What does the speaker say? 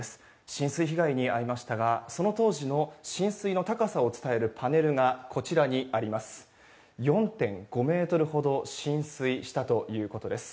浸水被害に遭いましたがその当時の浸水の高さを伝えるパネルがこちらにあります。